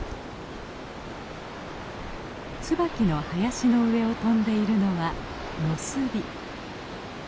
ツバキの林の上を飛んでいるのはノスリ。